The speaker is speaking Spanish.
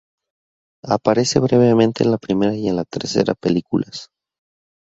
Aparece brevemente en la primera y la tercera películas.